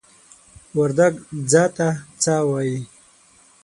وردگ "ځه" ته "څَ" وايي.